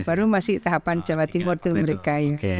baru masih tahapan jawa timur itu mereka yang